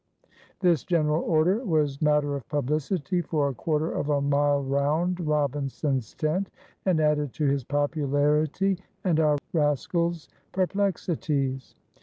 This general order was matter of publicity for a quarter of a mile round Robinson's tent, and added to his popularity and our rascals' perplexities.